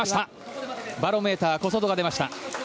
バロメーターの小外が出ました。